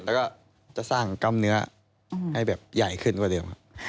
แล้วก็จะสร้างกล้ามเนื้อให้แบบใหญ่ขึ้นกว่าเดิมครับ